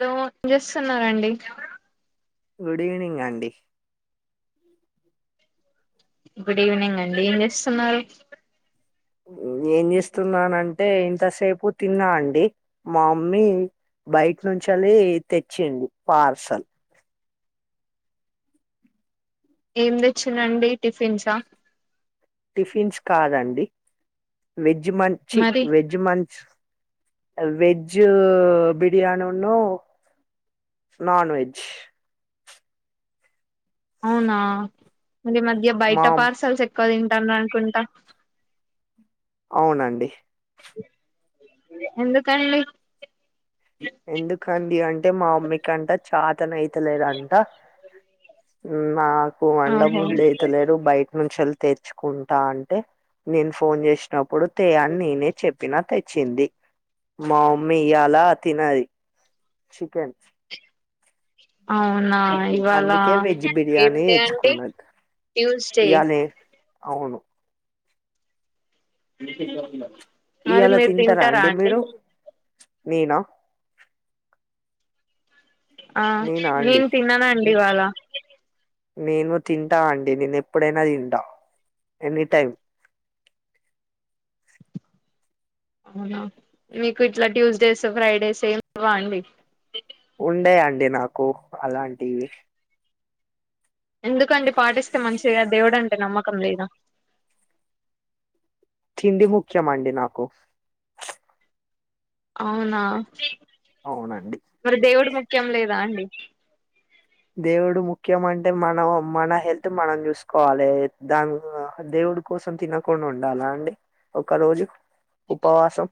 Hello ఏం చేస్తున్నరండి good evening అండి గుడ్ ఈవెనింగ్ అండి ఏం చేస్తున్నారు ఏం చేస్తున్నానంటే ఇంతసేపు తిన్నా అండి మా మమ్మీ బయట నుంచి అని తెచ్చింది పార్సల్ ఏమి తెచ్చిందండి టిఫిన్సా టిఫిన్స్ కాదండి వెజ్ మంచి మరి వెజ్ మంచ్ వెజ్ బర్యాణిన్న నాన్ వెజ్ అవునా మొన్న ఈ మధ్య బయట మామ్ పార్సల్స్ ఎక్కువ అయి అనుకుంటా అవునండి ఎందుకండి ఎందుకండి అంటే మా అమ్మకంట చాతనయితలేదంట నాకు వండ ఓహో బుడ్డ అయితలేరు బయట నుంచి వెళ్ తెచ్చుకుంటా అంటే నేను ఫోన్ చేసినప్పుడు తే అని నేనే చెప్పినా తె వచ్చింది మాఅమ్మఇయ్యలా తినదు చికెన్ అవునా ఇవాళ అందుకే వెజ్ బిర్యానీ ఏండే అండి తెచ్చుకున్నది ట్యూస్డే ఇయ్యాలే అవును ఇయ్యా లా తింటారా అండి మీరు నేనా ఆ నేనా అండి నేను తిన నన్డి ఇ వాళ నేను తింటా అండి నేను ఎప్పుడైనా తింటా ఎనీ టైం అవునా మీకు ఇట్లా ట్యూస్డేస్ ఫ్రైడేస్ ఏమి లేవా అండి ఉండ యండి నాకు అలాంటివి ఎందుకండి పాటిస్తే మంచిగా దేవుడు అంటే నమ్మకం లేద తిండి ముఖ్య మండి నాకు అవునా అవునండి మరి దేవుడు ముఖ్యం లేదా అండి దేవుడు ముఖ్యం అంటే మన మన హెల్త్ మనం చూసుకోవాలి దాని దేవుడు డు కోసం తినకుండా ఉండాలా అండి ఒక రోజు ఉపవాసం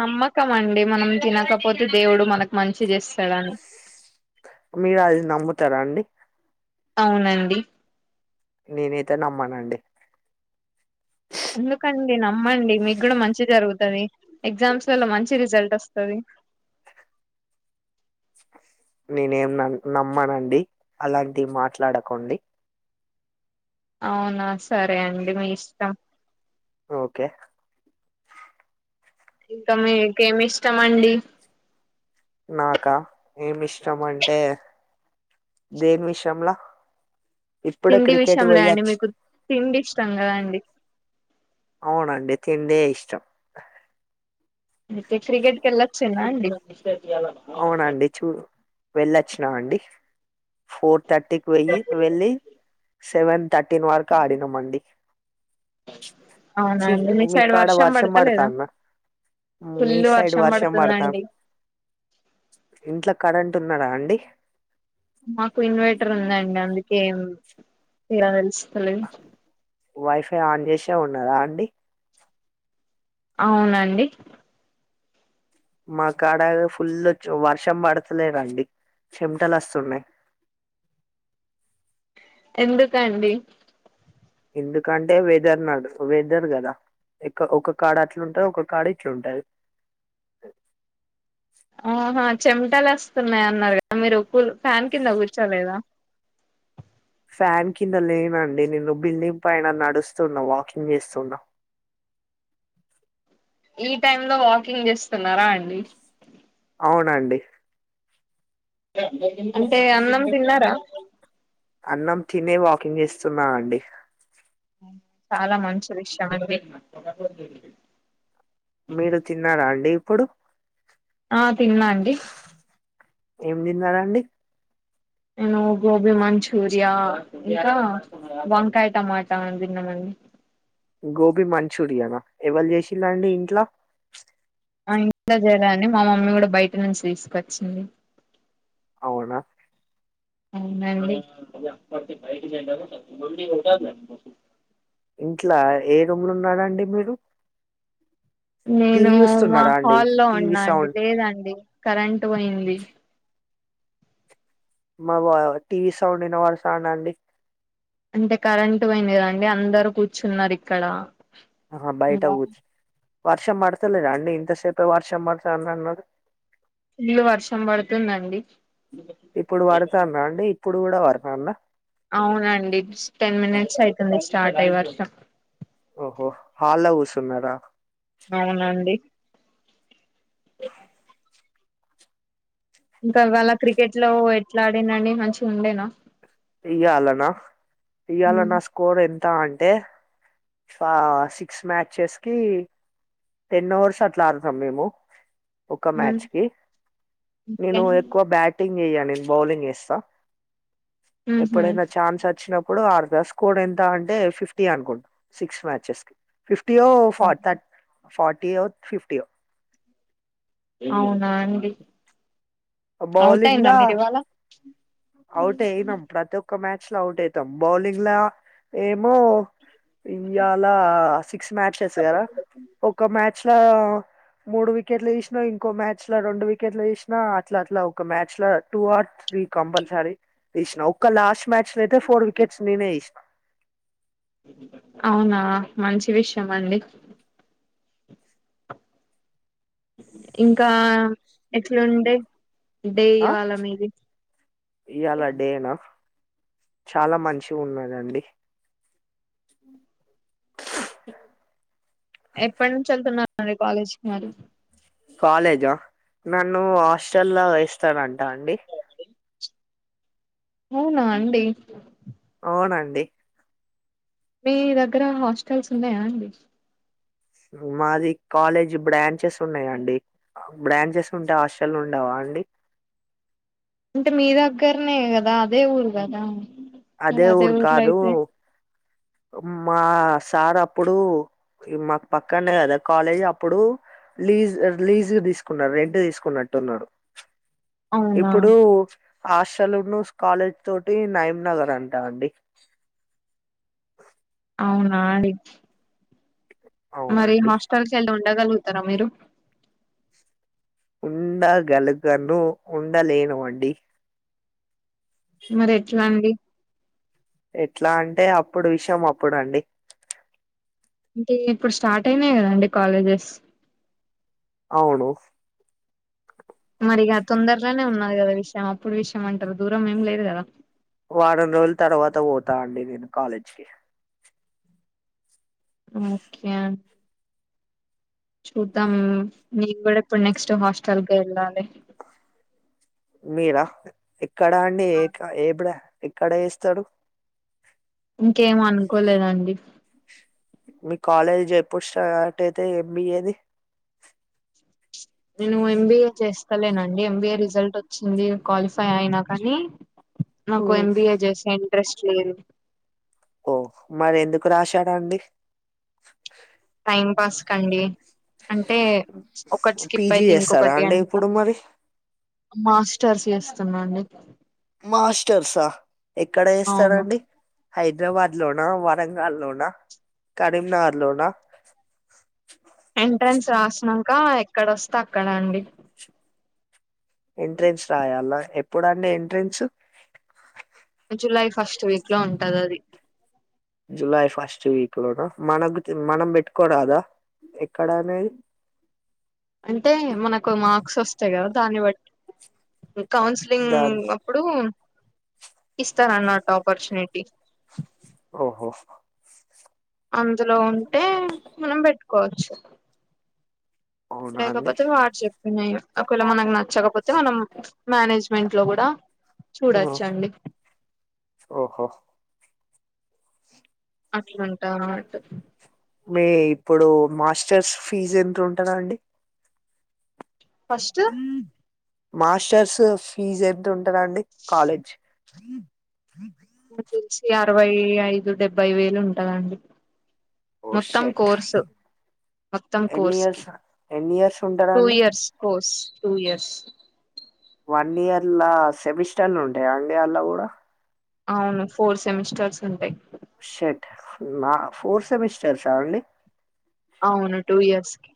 నమ్మకం అండి మనం తినకపోతే దేవుడు మనకు మంచి చేస్త మీరు అది నమ్ముతారా అండి అవునండి నేనైతే నమ్మనండి ఎందుకండి నమ్మండి మీకు కూడా మంచి జరుగుతుంది ఎగ్జామ్స్ లల్ల మంచి రిజల్ట్ వస్తుంది నేనేం న నమ్మనండి అలాంటివి మాట్లాడకండి అవునా సరే అండి మీ ఇష్టం ఓకే ఇంకా మీకేమి ఇష్టమ అండి నాకా ఏమి ఇష్టం అంటే దేమిశ్రంలా ఇప్పుడే తిండి క్రికెట్ విషయంలో అండి పుయచ్చు మీకు తిండి ఇష్టం కదా అండి అవునండి రెండే ఇష్టం అయితే క్రికెట్ కెల్లాచా అండి అవునండి చూ వెళ్ళొచ్చినామ అండి ఫోర్ట్ థర్టీకి వెయ్యి వెళ్ళి సెవెన్ థర్టీన్ వరకు ఆడినాం అండి అవునా ఛీ అండి మీ సైడ్ కాడ వర్షం పడతలేదా పడ్తండా మీ ఫుల్ సైడ్ వర్షం పడతాను పడుతుందండి ఇంట్లో ప్రస్తుత కారెంట్ ఉన్నాధ అండి మాకు ఇన్వర్టర్ ఉందండి అందుకేం ఎలా తెలుస్తుంది వైఫై ఆన్ చేసే ఉన్నారా అండి అవునండి మాకుడాగా ఫుల్ వర్షం పడతలేదండి చెమటలుస్తున్నాయి ఎందుక అండి ఎందుకంటే వెదర్ నాడు వెదర్ కదా ఇక్క ఒక కార్డు అట్లుంటది ఒక కార్డు ఇట్లుంటది ఆహా చెమటలు వస్తున్నాయి అన్నారు కదా మీరు ఒ ఫ్యాన్ కింద కూర్చలేదా ఫ్యాన్ కింద లేనండి నేను బిల్డింగ్ పైన నడుస్తున్నా వాకింగ్ చేస్తున్నా ఈ టైమ్ లో వాకింగ్ చేస్తున్నారా అండి అవునండి అంటే అన్నం తిన్నారా అన్నం తినే వాకింగ్ చేస్తున్నాం అండి చాలా మంచి విషయం అండి మీరు తిన్నారా అండి ఇప్పుడు ఆ తిన్నా అండి ఏం తిన్నారండి నేను గోబి మంచూరియా ఇక వంకాయ టమాటా తిన్నామండి గోబీ మంచూరియన్ ఎవళ చేసిలాండి ఇంట్లో ఆ ఇంట్లో చేయర్ అండి మా మమ్మీ కూడా బయట నుంచి తీసుకొచ్చింది అవునా అవనంది ఇంట్లా ఏ రూమ్ లో ఉన్నాడా అండి మీరు నేను టీవీ మా చూస్తున్నారా అండి హాల్లో టీవీ ఉన్నా అండి సౌండ్ లేదండి కరెంట్ పోయింది మా బా టీవీ సౌండ్న వారు సడ్ అండి అంటే కరెంటు పోయిదండి అందరు కూర్చున్నారు ఇక్కడ ఆ బయట ఊచ్చ వర్ష పడతల అంది ఇంతసేపు వర్ష మతా అన్న అన్నది ఫుల్ వర్షం పడుతుందండి ఇప్పుడు పడతాంద అండి ఇప్పుడు కూడా వడత [inaudible] అవునండి టెన్ మినిట్స్ అయితుంది స్టార్ట్ అయి వర్షం ఓస్హో హాల లో కుర్సున్నర అవునండి ఇంకావాళ క్రికెట్ లో ఎట్లా ఆడినండి మంచిగా ఉండేను తీయాలనా ఇయాల మ్మ్ నా స్కోర్ ఎంత అంట అంటే సిక్స్ మ్యాచెస్ కి టెన్ అవర్స్ అట్లారుతాం మేము ఒక మ్మ్ మ్యాచ్ కి ఓకే నేను ఎక్కువ బ్యాట్ [unintelligible] వస్తా మ్హూ ఎప్పుడై చాన్స్ వచ్చినప్పు ఇప్పుడు ఆర్ద స్కోర్ ఎంత అంటే ఫిఫ్టీ అనుకుంటా సిక్స్ మ్యాచెస్ కి fifty to forty thirty forty ఓ ఫిఫ్టీ ఓ అవునా అండి ఔట్ అయింరా మీర్ ఇవాళ ఔట అయినం ప్రతోక్ కో మ్యాచ్లో ఔట్ అయితం బౌలింగ్ల ఏమో ఇయాలా సిక్స్ మ్యాచెస్ కదా ఒక మ్యాచ్ల మూడు వికెట్లు తిష్న ఇంకో మ్యాచ్ల రోండు వికెట్లు తిష్న అట్లట్లా ఒక మ్యాచ్ లో టూ ఆర్ త్రి కంపల్సరీ తీసినా ఒక్క లాస్ట్ మ్యాచ్ అయితే ఫోర్ వికెట్స్ నేనే తిష్న అవునా మంచి విషయం అండి ఇంకా ఎట్లుండే డే ఆ ఇవాళ మీది ఇయాల డేనా చాలా మంచిగున్నదండి ఎప్పడ్ నుంచి ఎళ్తున్నర్ అండి కాలేజ్కి మరి కాలేజా నన్ను హాస్టల్లా వేస్తారాంట అండి అవునా అండి అవునండి మీ దగ్గర హాస్టల్స్ ఉన్నాయ అండి మాది కాలేజ్ బ్రాంచెస్ ఉన్నాయండి బ్రాంచెస్ ఉంటే హాస్టల్ ఉండవా అండి అంటే మీ దగ్గరనే కదా అదే ఊర్ కదా మర్ అదే ఊరు ఊర్ల్ కాదు అయితే మా సార్ అప్పుడు మాకు పక్కుండే కదా కాలేజ్ అప్పుడు లీజ్ లీజ్ తీసుకున్నారు రెంట్ తీసుకున్నట్టున్నాడు అవునా ఇప్పుడు ఆషల్ ఉన్ను కాలేజ్ తోటి నయింనగర్ అంట అండి అవునా అండి మరి అవునండి హాస్టల్కెళ్ళి ఉండగలుగుతారా మీరు ఉండగలగను ఉండలేను అండి మరేట్లా అండి ఎట్ల అంటే అప్పుడు విషం అప్పుడు అండి ఇంకా ఇ ఇప్పుడ్ స్టార్ట్ అయినాయి కదాండి కాలేజెస్ అవును మరిగ తొందర్లోనే ఉన్నది కదా విషయం అప్పుడు విషయం అంటారు దూరం ఏం లేదు కదా వారం రోజుల తర్వాత పోతా అండి నేను కాలేజ్కి ఓకే అన్ చూద్దాం నెన్ కూడా ఇప్పుడు నెక్స్ట్ హాస్టల్కే ఎళ్ళాలే మీరా ఎక్కడ అండి ఏక్ ఎ బ్రాండ్ ఎక్కడ చేస్తాడు ఇంకేం అనుకోలేదండి మీ కాలేజ్ చెప్పుడు స్టార్ట్ అయితే ఎంబిఏ ది నేను ఎంబీఏ చేస్తాలేనండి ఎంబీఏ రిజల్ట్ వచ్చింది క్వాలి ఫై అయినా కానీ నాకు ఎంబిఏ చేసే ఇంట్రెస్ట్ లేదు ఓ మరెందుకు రాశారండీ ఉం పాస్ కండి అంటే ఒకటి స్కిప్ పీజీ అయితే చేస్తాడా ఇంకొకటి అండి అంత ఇప్పుడు మరి మాస్టర్స్ చేస్తున్నానండి మాస్టర్సా ఎక్కడ అవును చేస్తారండి హైదరాబాద్లోనా, వరంగల్లోనా, కరీంనగర్లోనా ఎంట్రెన్స్ రాస్నంక ఎక్కడోస్తే అక్కడ అండి ఎంట్రెన్స్ రాయాల ఎప్పుడు అండి ఎంట్రెన్స్ జులై ఫస్ట్ వీక్ లో ఉంటది అది జులై ఫస్ట్ వీక్ లోన మనకు మనం పెట్టుకోరాదా ఎక్కడనేది అంటే మనకు మార్క్స్ వస్తాయి కదా దాన్ని బట్టి కౌన్సిలింగ్ దాని అప్పుడు ఇస్తానన్నారు ఆపర్చునిటీ ఓహో అందులో ఉంటే మనం పెట్టుకోవచ్చు అవునా అండి లేకపోతే వాట్ చెప్ నయ్ ఒకవేళ మనకు నచ్చకపోతే మనం మేనేజ్మెంట్ లో కూడా ఓ, చూడొచ్చండి ఓహో అట్లుంటదన్నమాట మీ ఇప్పుడు మాస్టర్స్ ఫీజ్ ఎంత ఉంటది అండి ఫస్ట్ మాస్టర్స్ ఫీజ్ ఎంత ఉంటదండి కాలేజ్ కు తెలిసి అరవై ఐదు డెబ్బై వేలు ఉంటదండి ఓ మొత్తం షట్ కోర్సు మొత్తం ఎన్ని కోర్స్ కి ఇయర్స్ ఎన్ని ఇయర్స్ ఉంటారా టూ అండి years course two years one ఇయర్లా సెమిస్టర్లు ఉంటయా అండి అలొ కూడా అవును ఫోర్ సెమిస్టర్స్ ఉంటాయ్ షెట్ నా ఫోర్ సెమిస్టర్సా అండి అవును టూ ఇయర్స్ కి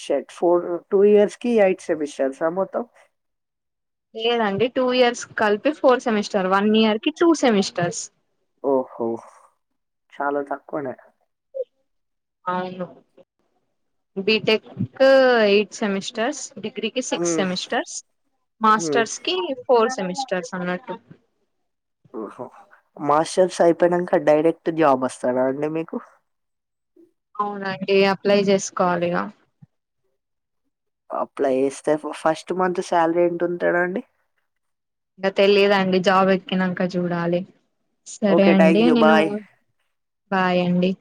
షెట్ ఫోర్ టూ ఇయర్స్ కి ఎయిట్ సెమిస్టర్సా మొత్తం లేదండి టూ ఇయర్స్ కి కలిపి ఫోర్ సెమిస్టర్ వన్ ఇయర్ కి టూ సెమిస్టర్స్ ఓహో చాల తక్కువనే అవును బీటెక్ ఎయిట్ సెమిస్టర్స్ డిగ్రీ కి సిక్స్ హ్మ్. సెమిస్టర్స్ హ్మ్. మాస్టర్స్ కి ఫోర్ సెమిస్టర్స్ అన్నట్టు ప్పయినాంక డైరెక్ట్ జాబ్ అస్తదా అండి మీకు అవునండి అప్లై చేసుకోవాలి ఇగా అప్లై చేస్తే ఫస్ట్ మంత్ శాలరీ ఏంతుంటదండి ఇంకా తెలియదండి జాబ్ ఎక్కినాంక చూడాలి సరే ఓకే అండి థ్యాంక్ యూ నేను బాయ్ బాయ్ అండి